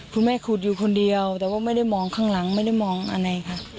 ขุดอยู่คนเดียวแต่ว่าไม่ได้มองข้างหลังไม่ได้มองอะไรค่ะ